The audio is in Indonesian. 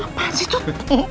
apaan sih tut